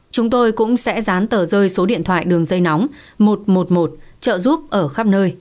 chúng tôi cũng sẽ dán tờ rơi số điện thoại đường dây nóng một trăm một mươi một trợ giúp ở khắp nơi